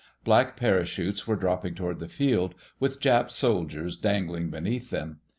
Black parachutes were dropping toward the field, with Jap soldiers dangling beneath them.